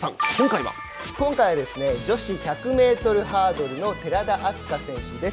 今回は、女子１００メートルハードルの寺田明日香選手です。